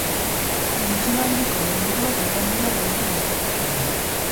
Tentsio handiko momentuak izan dira gaurko lasterketan.